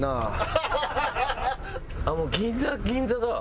もう銀座銀座だ。